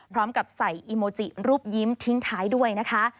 พร้อมกับใส่อีโมจิรูปยิ้มทิ้งท้ายด้วยนะคะ